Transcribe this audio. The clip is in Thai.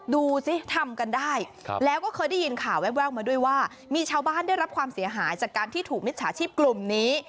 ดูสิทำกันได้แล้วก็เคยได้ยินข่าวแววมาด้วยว่ามีชาวบ้านได้รับความเสียหายจากการที่ถูกมิจฉาชีพกลุ่มนี้